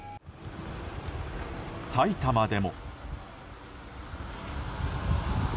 埼玉でも。